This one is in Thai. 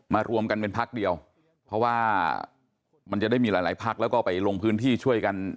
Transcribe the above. รวมกันเป็นพักเดียวเพราะว่ามันจะได้มีหลายหลายพักแล้วก็ไปลงพื้นที่ช่วยกัน